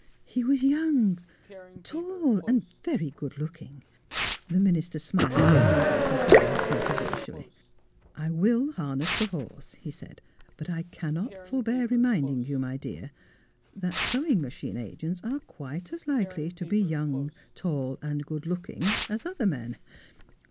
He was young, tall, and very good looking. '' The minister smiled and rumpled his hair controversially. '' I will harness the horse," he said; " but I cannot forbear reminding you, my dear, that sew ing machine agents are quite as likely to be young, tall, and good looking as other men.